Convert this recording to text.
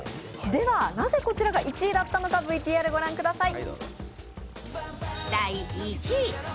ではなぜこちらが１位だったのか、ＶＴＲ御覧ください。